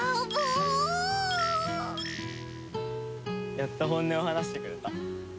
やっと本音を話してくれた。